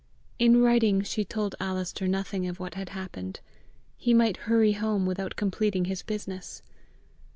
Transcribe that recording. In writing she told Alister nothing of what had happened: he might hurry home without completing his business!